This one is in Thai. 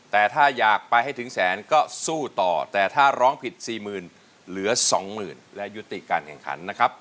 แต่ถ้าอยากไปให้ถึงแสนก็สู้ต่อแต่ถ้าร้องผิด๔๐๐๐เหลือ๒หมื่นและยุติการแข่งขันนะครับ